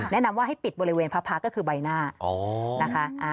แนะนำว่าให้ปิดบริเวณพระก็คือใบหน้านะคะ